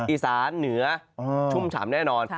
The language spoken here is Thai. อีสานเหนือชุ่มฉ่ำแน่นอน